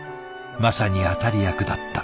まさに当たり役だった。